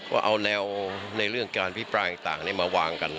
ว่าเอาแนวในเรื่องการพิปรายต่างมาวางกัน